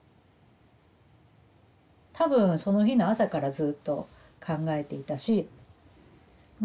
多分その日の朝からずっと考えていたしま